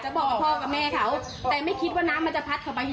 จมหนูก็ตะโกนเรียกรับตะเนี้ยก็ให้น้องคนนี้ก่อนที่จะมาถ่ายคลิปนะคะ